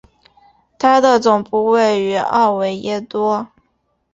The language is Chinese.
它的总部位于奥维耶多。